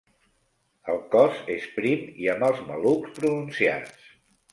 El cos és prim i amb els malucs pronunciats.